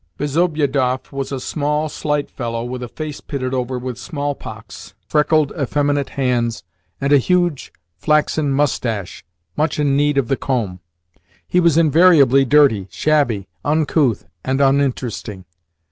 Bezobiedoff was a small, slight fellow, with a face pitted over with smallpox, freckled, effeminate hands, and a huge flaxen moustache much in need of the comb. He was invariably dirty, shabby, uncouth, and uninteresting.